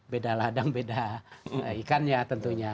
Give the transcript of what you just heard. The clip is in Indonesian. beda ladang beda ikannya tentunya